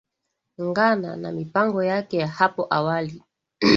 ngana na mipango yake ya hapo awali